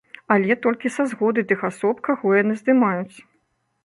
Але толькі са згоды тых асоб, каго яны здымаюць.